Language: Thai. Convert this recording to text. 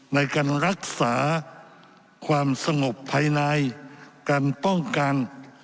ในการรักษาความสงบภายในการป้องกัน